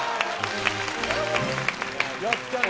やったね。